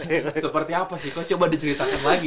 seperti apa sih kok coba diceritakan lagi